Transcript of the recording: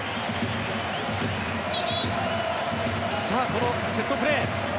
このセットプレー